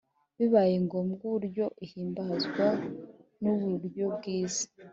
bibayengombwa Uburyo ihamagazwa n uburyo bwiza